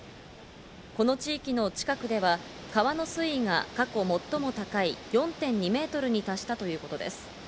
この地域の近くでは、川の水位が過去最も高い４．２メートルに達したということです。